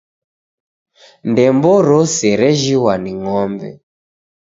Ndembo rose rejhighwa ni ng'ombe.